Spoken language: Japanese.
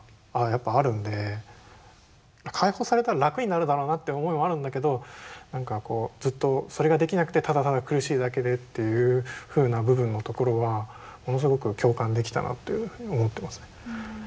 解放されたら楽になるだろうなっていう思いもあるんだけど何かこうずっとそれができなくてただただ苦しいだけでっていうふうな部分のところはものすごく共感できたなというふうに思ってますね。